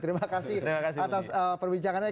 terima kasih atas perbincangannya